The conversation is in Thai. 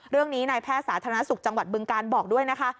เรื่องนี้นายแพทย์สาธารณสุขจังหวัดบึงการบอกด้วยนะคะ